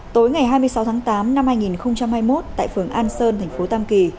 tối ngày hai mươi sáu tháng tám năm hai nghìn hai mươi một tại phường an sơn thành phố tam kỳ